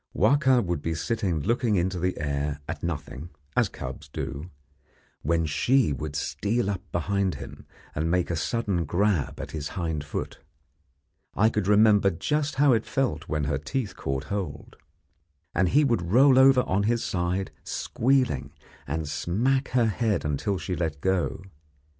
Wahka would be sitting looking into the air at nothing, as cubs do, when she would steal up behind him and make a sudden grab at his hind foot. I could remember just how it felt when her teeth caught hold. And he would roll over on his side, squealing, and smack her head until she let go.